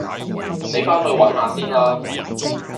你返去搵下先啦